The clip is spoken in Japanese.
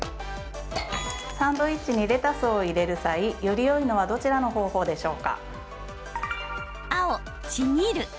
サンドイッチにレタスを入れる際、よりよいのはどちらの方法でしょうか？